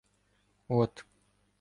— От.